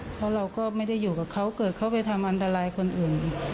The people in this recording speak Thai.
เพราะเราก็ไม่ได้อยู่กับเขาเกิดเขาไปทำอันตรายคนอื่น